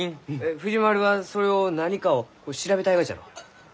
藤丸はそれを何かを調べたいがじゃろう？